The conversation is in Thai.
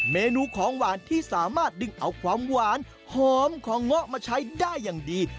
เมนูของหวานที่สามารถดึงเอาความหวานหอมของเงาะมาใช้ได้อย่างดี